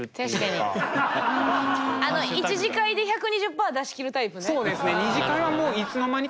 あの１次会で１２０％出し切るタイプね。